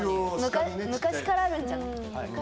昔からあるんじゃない？